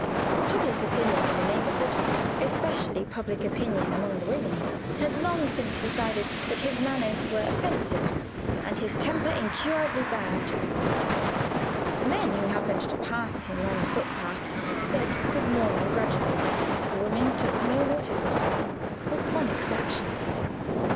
Public opinion in the neighborhood (especially public opinion among the women) had long since decided that his manners were offensive, and his temper incurably bad. The men who happened to pass him on the footpath said "Good morning" grudgingly. The women took no notice of him with one exception.